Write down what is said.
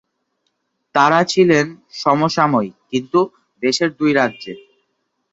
তারা ছিলেন সমসাময়িক, কিন্তু দেশের দুই রাজ্যে।